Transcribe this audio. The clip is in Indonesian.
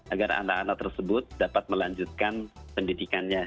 agar anak anak tersebut dapat melanjutkan pendidikannya